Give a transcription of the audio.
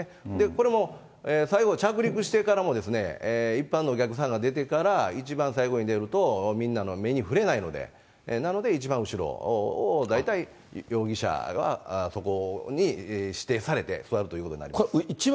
これも最後着陸してからも、一般のお客さんが出てから、一番最後に出ると、みんなの目に触れないので、なので一番後ろを、大体容疑者はそこに指定されて座るということになります。